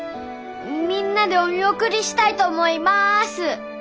みんなでお見送りしたいと思います。